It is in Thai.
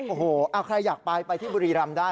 โอ้โหใครอยากไปไปที่บุรีรำได้